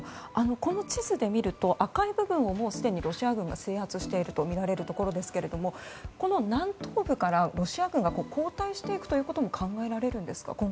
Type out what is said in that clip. この地図で見ると赤い部分はもうすでにロシア軍が制圧しているとみられる部分ですけどこの南東部からロシア軍が後退していくことも考えられるんですか。